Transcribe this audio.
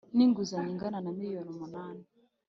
n inguzanyo ingana na miliyoni umunani